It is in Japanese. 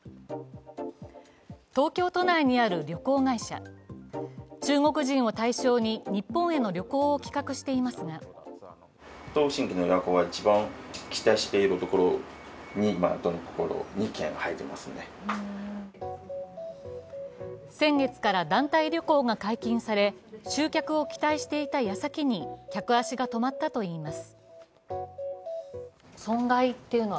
都内にある旅行会社、中国人を対象に日本への旅行を企画していますが先月から団体旅行が解禁され、集客を期待していた矢先に客足が止まったといいます。